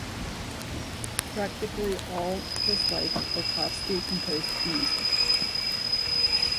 Practically all his life Berkovsky composed music.